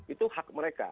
itu hak mereka